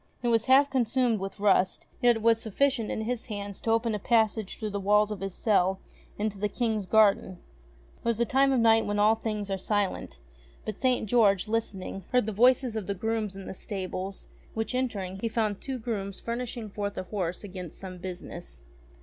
It was half consumed with rust, yet it was sufficient in his hands to open a passage through the walls of his cell into the King's garden. It was the time of night when all things are silent ; but St. George, listening, heard the voices of grooms in the stables ; which, entering, he found two grooms furnishing lo ENGLISH FAIRY TALES forth a horse against some business.